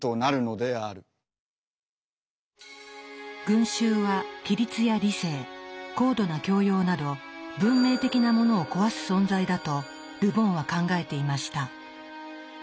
群衆は規律や理性高度な教養など文明的なものを壊す存在だとル・ボンは考えていました。